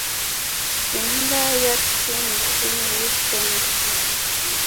Imbwa ya Tin Tin Yiswe Niki